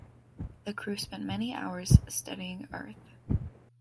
The crew spent many hours studying Earth.